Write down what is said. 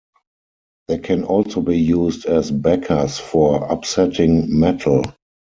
They can also be used as backers for upsetting metal.